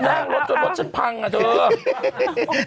นั่งรถจนรถฉันพังอ่ะเถอะ